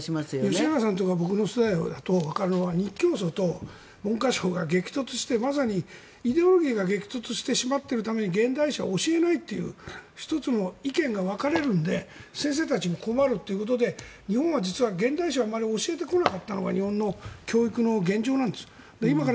吉永さんとか僕の世代だと日教組と文科省が激突してまさにイデオロギーが激突してしまっているために現代史は教えないという１つの意見が分かれるので先生たちも困るということで日本は実は現代史をあまり教えてこなかったのが日本の教育の現状なんです。